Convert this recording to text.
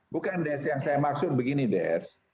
bukan des yang saya maksud begini des